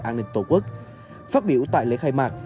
an ninh tổ quốc phát biểu tại lễ khai mạc